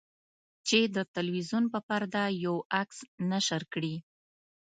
چې د تلویزیون په پرده یو عکس نشر کړي.